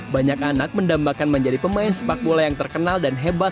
banyak anak mendambakan menjadi pemain sepak bola yang terkenal dan hebat